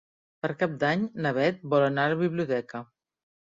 Per Cap d'Any na Beth vol anar a la biblioteca.